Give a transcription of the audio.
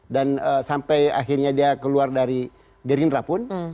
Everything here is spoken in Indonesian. dan sampai akhirnya dia keluar dari gerindra pun